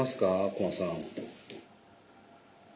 駒さん。